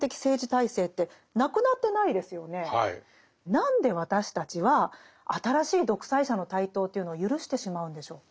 何で私たちは新しい独裁者の台頭というのを許してしまうんでしょうか。